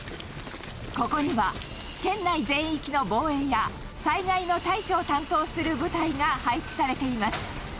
ここには、県内全域の防衛や、災害の対処を担当する部隊が配置されています。